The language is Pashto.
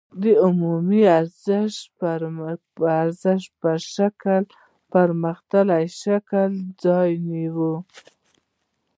د عمومي ارزښت شکل د پرمختللي شکل ځای ونیو